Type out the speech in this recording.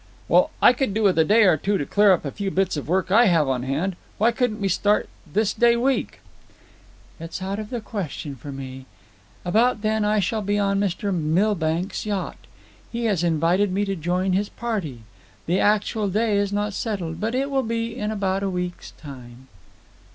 "Well, I could do with a day or two to clear up a few bits of work I have on hand. Why couldn't we start this day week?" "It is out of the question for me. About then I shall be on Mr. Milbank's yacht. He has invited me to join his party. The actual day is not settled, but it will be in about a week's time."